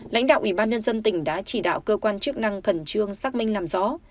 lãnh đạo ủy ban nhân dân tỉnh đã chỉ đạo cơ quan chức năng khẩn trương xác minh làm rõ